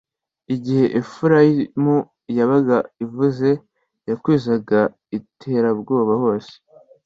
Igihe Efurayimu yabaga ivuze, yakwizaga iterabwoba hose;